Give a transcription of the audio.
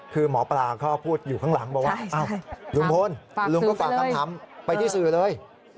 คือหมอปลาก็พูดอยู่ข้างหลังบอกว่าอ้าวลุงพลลุงก็ฝากคำถามไปที่สื่อเลย